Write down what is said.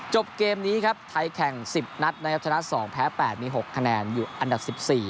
จบเกมนี้ครับไทยแข่ง๑๐นัดนะครับชนะ๒แพ้๘มี๖คะแนนอยู่อันดับ๑๔